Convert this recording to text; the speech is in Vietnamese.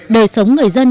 đời sống người dân